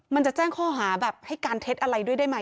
มันจะแจ้งข้อหาแบบให้การเท็จอะไรด้วยได้ไหม